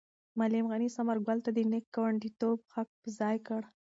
معلم غني ثمر ګل ته د نېک ګاونډیتوب حق په ځای کړ.